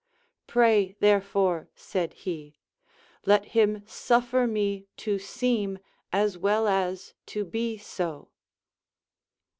Pray therefore, said he, let him suffer me to seem as well as to be so.